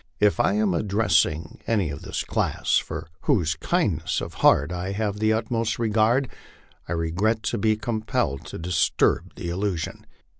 If I am addressing any of this class, for whose kindness of heart I have the utmost regard, I re gret to be compelled to disturb the illusion.